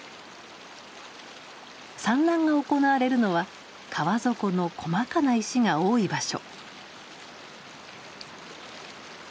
産卵が行われるのは川底の細かな石が多い場所。